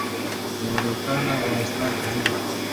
د روښانه افغانستان په هیله.